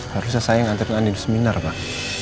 harusnya saya yang ngantriin andin di seminar pak